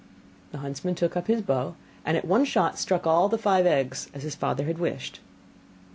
The huntsman took up his bow, and at one shot struck all the five eggs as his father wished.